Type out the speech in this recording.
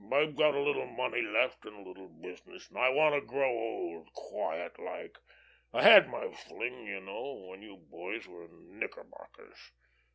I've got a little money left and a little business, and I want to grow old quiet like. I had my fling, you know, when you boys were in knickerbockers.